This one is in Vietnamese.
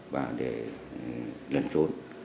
và để lần trốn